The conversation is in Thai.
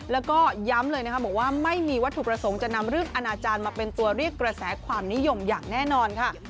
แล้วก็ย้ำเลยนะคะบอกว่าไม่มีวัตถุประสงค์จะนำเรื่องอนาจารย์มาเป็นตัวเรียกกระแสความนิยมอย่างแน่นอนค่ะ